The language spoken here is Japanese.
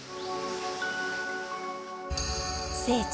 聖地